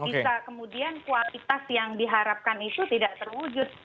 bisa kemudian kualitas yang diharapkan itu tidak terwujud